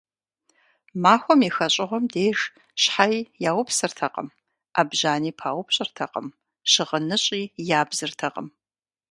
Махуэм и хэщӀыгъуэм деж щхьэи яупсыртэкъым, Ӏэбжьани паупщӀыртэкъым, щыгъыныщӀи ябзыртэкъым.